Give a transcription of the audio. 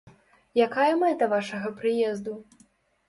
Якая мэта вашага прыезду?